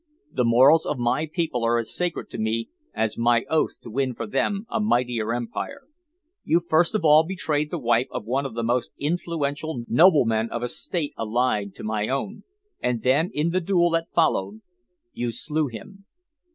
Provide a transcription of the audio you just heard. The morals of my people are as sacred to me as my oath to win for them a mightier empire. You first of all betrayed the wife of one of the most influential noblemen of a State allied to my own, and then, in the duel that followed, you slew him."